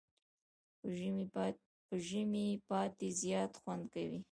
په ژمي پاتی زیات خوند کوي.